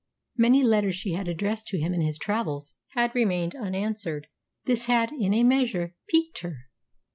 Many letters she had addressed to him in his travels had remained unanswered. This had, in a measure, piqued her.